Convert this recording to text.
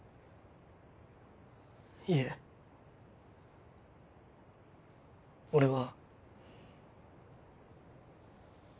いえ俺は。